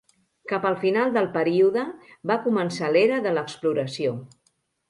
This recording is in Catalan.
Cap al final del període, va començar l'Era de l'exploració.